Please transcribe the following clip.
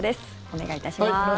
お願いいたします。